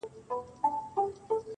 زه راغلی یم چي لار نه کړمه ورکه،